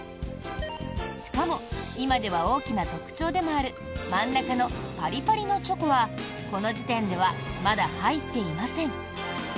しかも今では大きな特徴でもある真ん中のパリパリのチョコはこの時点ではまだ入っていません。